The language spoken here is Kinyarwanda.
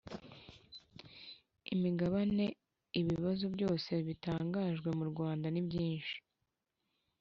imigabane Ibibazo byose bitangajwe murwanda nibyinshi